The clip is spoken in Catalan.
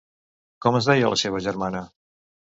Com es deia la seva germana?